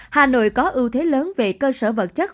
hà nội có ưu thế lớn về cơ sở vật chất